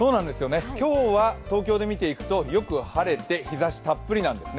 今日は東京で見ていくとよく晴れて、日ざしたっぷりなんですね。